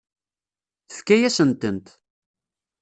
Tefka-yasent-tent.